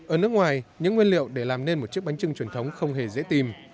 ở nước ngoài những nguyên liệu để làm nên một chiếc bánh trưng truyền thống không hề dễ tìm